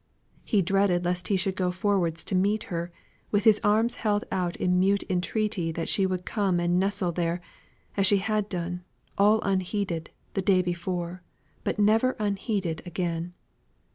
He dreaded lest he should go forwards to meet her, with his arms held out in mute entreaty that she would come and nestle there, as she had done, all unheeded, the day before, but never unheeded again.